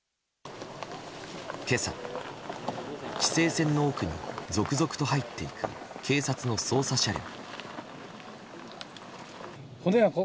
今朝、規制線の奥に続々と入っていく警察の捜査車両。